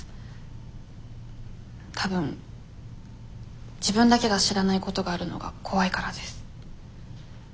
多分自分だけが知らないことがあるのが怖いからです。